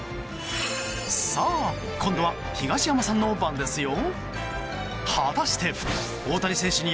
さあ、今度は東山さんの番ですよ。